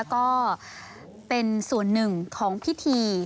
ก็เป็นส่วนหนึ่งของพิธี